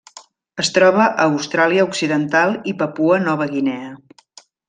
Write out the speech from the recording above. Es troba a Austràlia Occidental i Papua Nova Guinea.